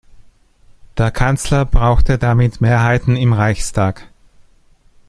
Der Kanzler brauchte damit Mehrheiten im Reichstag.